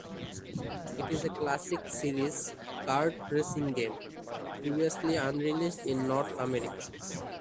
It is a classic series kart-racing game previously unreleased in North America.